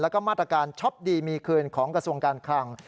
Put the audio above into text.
แล้วก็มาตรการช็อปดีมีคืนของกระทรวงการคลัง